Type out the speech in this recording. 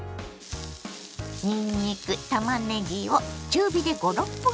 にんにくたまねぎを中火で５６分炒めます。